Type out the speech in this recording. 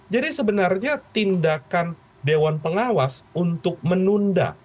jadi sebenarnya tindakan dewan pengawas untuk menunda